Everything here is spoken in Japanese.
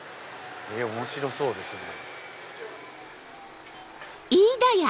面白そうですね。